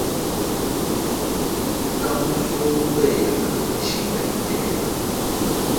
Kamusongwela jila yipema.